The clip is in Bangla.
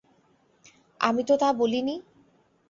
আমি তো তা বলিনি।